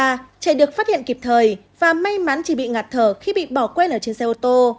trẻ được phát hiện kịp thời và may mắn chỉ bị ngạt thở khi bị bỏ quê ở trên xe ô tô